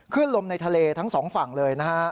ลมในทะเลทั้งสองฝั่งเลยนะฮะ